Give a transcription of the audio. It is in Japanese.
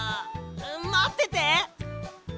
まってて！